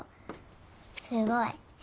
すごい。